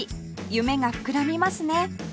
夢が膨らみますね